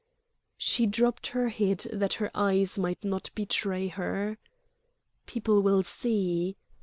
She dropped her head that her eyes might not betray her. "People will see